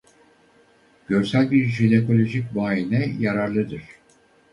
Görsel bir jinekolojik muayene yararlıdır.